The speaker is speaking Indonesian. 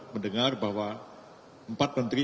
mendengar bahwa empat menteri